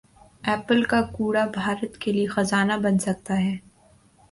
apple کا کوڑا بھارت کیلئے خزانہ بن سکتا ہے